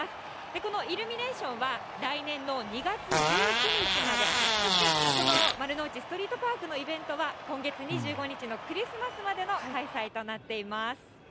このイルミネーションは、来年の２月１９日まで、そして、このマルノウチストリークパークのイベントは、今月２５日のクリスマスまでの開催となっています。